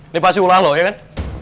ini pasti ulah lo ya kan